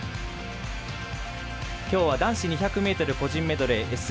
今日は男子２００ｍ個人メドレーＳＭ１１